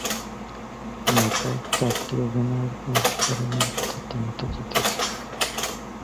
Network চারটি অভিনয়ের পুরষ্কারের মধ্যে তিনটি জিতেছে।